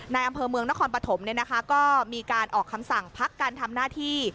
อำเภอเมืองนครปฐมก็มีการออกคำสั่งพักการทำหน้าที่